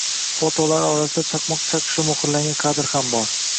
Fotolar orasida chaqmoq chaqishi muhrlangan kadr ham bor